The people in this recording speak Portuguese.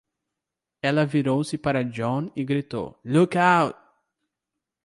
Ela virou-se para John e gritou? "Look Out!"